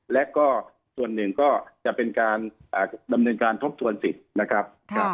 และก็ส่วนหนึ่งก็จะเป็นการดำเนินการทบทวนสิทธิ์นะครับ